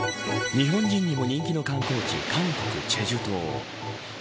日本人にも人気の観光地韓国、済州島。